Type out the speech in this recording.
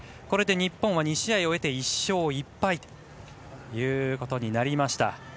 これで日本は２試合を終えて１勝１敗となりました。